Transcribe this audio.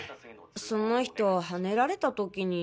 その人はねられた時に。